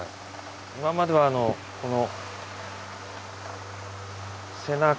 今まではあのこの。